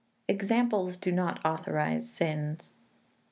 [EXAMPLES DO NOT AUTHORIZE SINS.